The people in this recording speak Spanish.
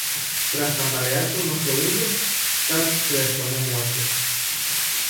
Tras tambalearse unos segundos, Tutt se desplomó muerto.